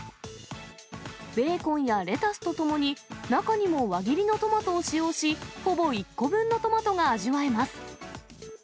ベーコンやレタスとともに、中にも輪切りのトマトを使用し、ほぼ１個分のトマトが味わえます。